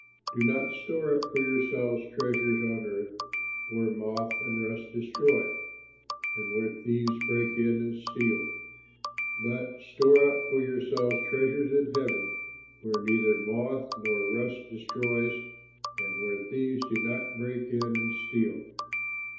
"Do not store up for yourselves treasures on earth where moth and rust destroy, and where thieves break in and steal; but store up for yourselves treasures in heaven where neither moth nor rust destroys, and where thieves do not break in and steal.